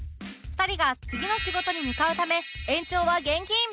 ２人が次の仕事に向かうため延長は厳禁！